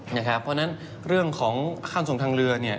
เพราะฉะนั้นเรื่องของค่าส่งทางเรือ